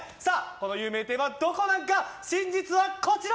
この有名店はドコナンか真実はこちら！